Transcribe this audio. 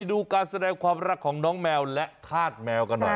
ดูการแสดงความรักของน้องแมวและธาตุแมวกันหน่อย